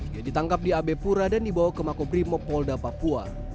dia ditangkap di abe pura dan dibawa ke mako brimob polda papua